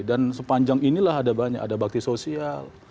dan sepanjang inilah ada banyak ada bakti sosial